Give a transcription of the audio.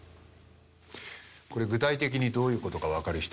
これ具体的にどういう事かわかる人？